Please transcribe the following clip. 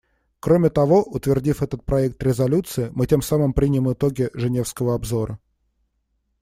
Кроме того, утвердив этот проект резолюции, мы тем самым примем итоги женевского обзора.